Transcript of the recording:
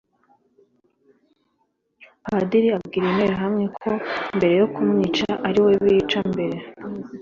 Padili abwira interahamwe ko mbere yo kumwica ari we bica mbere